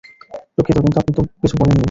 দুঃখিত, কিন্তু আপনি তো কিছু বলেননি।